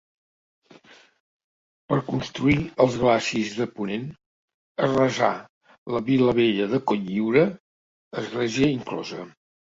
Per construir els glacis de ponent, arrasà la Vila vella de Cotlliure, església inclosa.